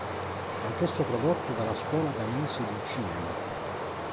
È anch'esso prodotto dalla Scuola danese di Cinema.